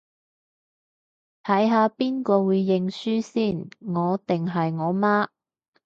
睇下邊個會認輸先，我定係我媽